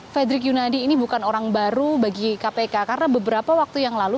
fredrik yunadi ini bukan orang baru bagi kpk karena beberapa waktu yang lalu